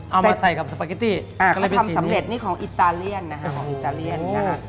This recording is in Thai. เออเอามาใส่กับสปาเก็ตตี้ก็เลยเป็นสีนี้ทำสำเร็จนี่ของอิตาเลียนนะครับของอิตาเลียนนะครับ